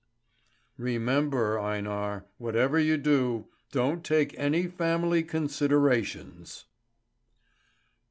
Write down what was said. "Remember, Einar, whatever you do, don't take any family considerations!"